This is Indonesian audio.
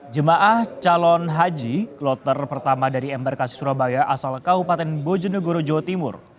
jemaah calon haji kloter pertama dari embarkasi surabaya asal kabupaten bojonegoro jawa timur